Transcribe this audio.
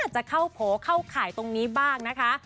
จะเข้าโผล่เข้าข่ายตรงนี้บ้างนะคะ